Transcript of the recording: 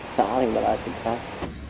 xã thành bà ta chính xác